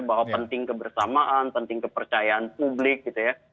bahwa penting kebersamaan penting kepercayaan publik gitu ya